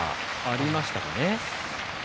ありましたね。